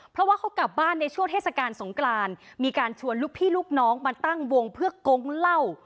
เพราะว่าเขากลับบ้านในช่วงเทศกาลสงกรานมีการชวนลูกพี่ลูกน้องมาตั้งวงเพื่อกงเหล้า